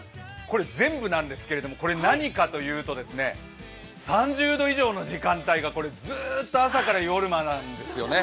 全部なんですけども、これ何かというと３０度以上の時間帯がずーっと朝から夜までなんですよね。